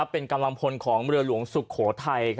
เป็นกำลังพลของเรือหลวงสุโขทัย